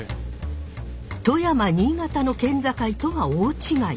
富山新潟の県境とは大違い。